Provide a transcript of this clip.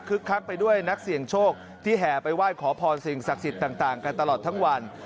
คักไปด้วยนักเสี่ยงโชคที่แห่ไปไหว้ขอพรสิ่งศักดิ์สิทธิ์ต่างกันตลอดทั้งวัน